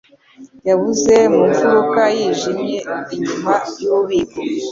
Yabuze mu mfuruka yijimye inyuma yububiko.